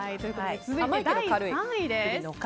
続いて、第３位です。